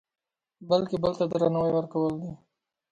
بلکې بل ته درناوی ورکول دي.